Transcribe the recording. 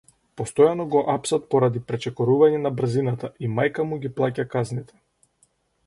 Постојано го апсат поради пречекорување на брзината и мајка му ги плаќа казните.